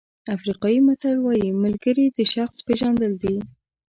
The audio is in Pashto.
افریقایي متل وایي ملګري د شخص پېژندل دي.